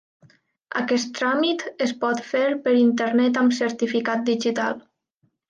Aquest tràmit es pot fer per Internet amb certificat digital.